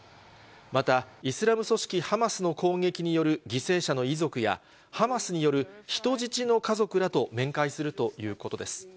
またイスラム組織ハマスの攻撃による犠牲者の遺族や、ハマスによる人質の家族らと面会するということです。